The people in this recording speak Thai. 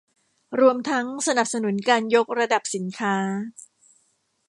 รวมทั้งสนับสนุนการยกระดับสินค้า